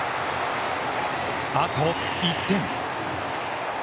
あと１点。